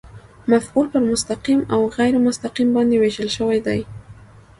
مفعول پر مستقیم او غېر مستقیم باندي وېشل سوی دئ.